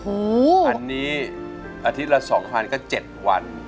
อันนี้อาทิตย์ละ๒๐๐ก็๗วัน